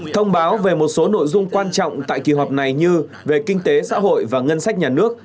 thông báo về một số nội dung quan trọng tại kỳ họp này như về kinh tế xã hội và ngân sách nhà nước